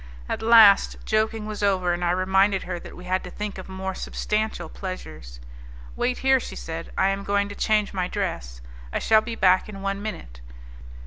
At last, joking was over, and I reminded her that we had to think of more substantial pleasures. "Wait here," she said, "I am going to change my dress. I shall be back in one minute."